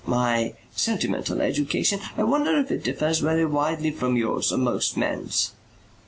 "My sentimental education. I wonder if it differs very widely from yours or most men's."